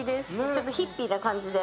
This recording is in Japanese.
ちょっとヒッピーな感じで。